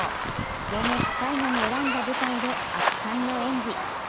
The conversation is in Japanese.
現役最後に選んだ舞台で圧巻の演技。